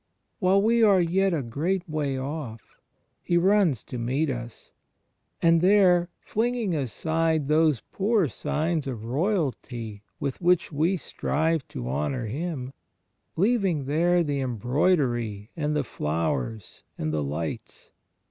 While we are "yet a great way off" * He runs to meet us; and there, flinging aside those poor signs of royalty with which we strive to honour Him, leaving there the embroidery and the flowers and the lights.